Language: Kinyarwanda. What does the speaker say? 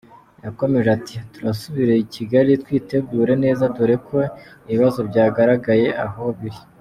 Yakomeje ati: “Turasubira i Kigali twitegure neza dore ko ibibazo byagaragaye aho biri.